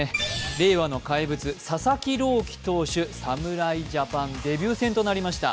令和の怪物・佐々木朗希投手侍ジャパンデビュー戦となりました。